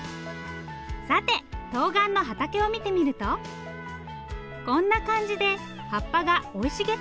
さてとうがんの畑を見てみるとこんな感じで葉っぱが生い茂っています。